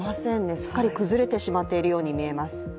すっかり崩れてしまっているように見えます。